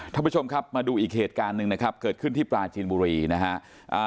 ท่านผู้ชมครับมาดูอีกเหตุการณ์หนึ่งนะครับเกิดขึ้นที่ปลาจีนบุรีนะฮะ